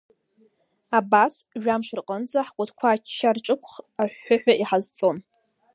Абас, жәамш рҟынӡа ҳкәытқәа ачча рҿықәхх, аҳәҳәыҳәа иҳазҵон.